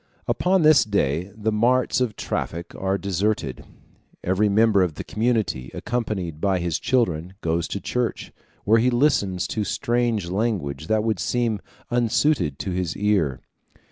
Upon this day the marts of traffic are deserted; every member of the community, accompanied by his children, goes to church, where he listens to strange language which would seem unsuited to his ear.